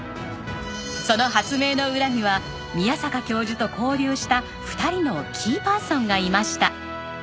その発明の裏には宮坂教授と交流した２人のキーパーソンがいました。